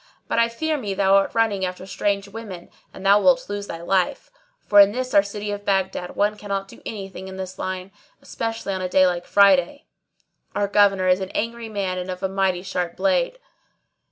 But I fear me thou art running after strange women and thou wilt lose thy life; for in this our city of Baghdad one cannot do any thing in this line, especially on a day like Friday: our Governor is an angry man and a mighty sharp blade."